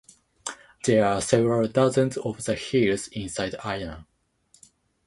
There are several dozens of the hills inside Ina.